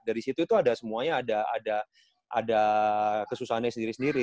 dari situ itu ada semuanya ada kesusahannya sendiri sendiri